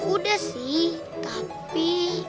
udah sih tapi